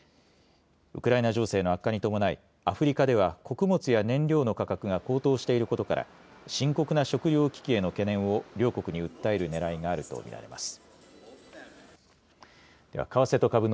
ウクライナ情勢の悪化に伴いアフリカでは穀物や燃料の価格が高騰していることから深刻な食糧危機への懸念を両国に訴えるねらいがあると見られます。